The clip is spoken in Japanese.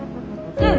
うん。